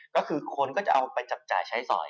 ก็คือคนก็จะเอาไปจับจ่ายใช้สอย